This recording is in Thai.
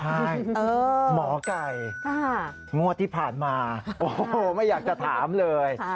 ใช่หมอไก่งวดที่ผ่านมาโอ้โหไม่อยากจะถามเลย